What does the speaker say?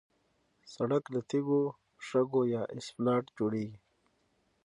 سړک له تیږو، شګو یا اسفالت جوړېږي.